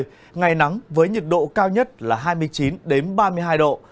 trước đây ngày nắng với nhiệt độ cao nhất là hai mươi chín đến ba mươi hai độ